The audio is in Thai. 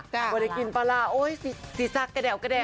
วันได้กินปลาร่าโอ๊ยสิสักกระแดวกระแดวก